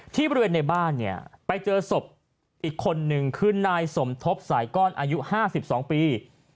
บริเวณในบ้านเนี่ยไปเจอศพอีกคนนึงคือนายสมทบสายก้อนอายุ๕๒ปี